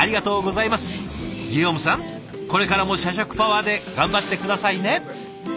ギヨームさんこれからも社食パワーで頑張って下さいね。